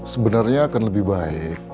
sebenarnya akan lebih baik